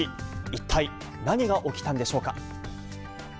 一体何が起きたんでしょうか。